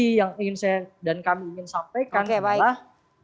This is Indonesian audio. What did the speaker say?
tapi yang ingin saya dan kami ingin sampaikan adalah